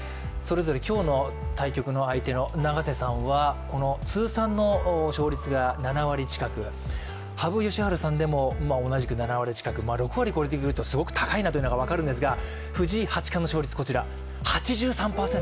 今日の対局の相手の永瀬さんは通算の勝率が７割近く、羽生善治さんでも同じく７割近く６割超えてくるとすごく高いなというのが分かるんですが藤井八冠の勝率こちら、８３％。